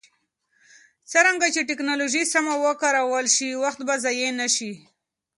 څرنګه چې ټکنالوژي سمه وکارول شي، وخت به ضایع نه شي.